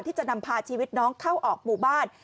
ที่จะนำพาชีวิตน้องเข้าออกหมู่บ้าน